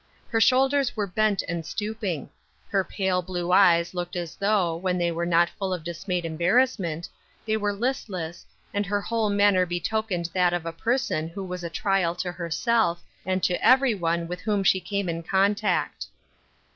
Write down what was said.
Her shoulders were bent and stooping ; her pale, blue eyes looked as though, when they were not full of dismayed embarrassment, they were listless, and her whole manner betokened that of a person who was a trial to herself, and to every one with whom she came in contact.